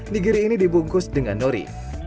nigiri ini dibungkus dengan nori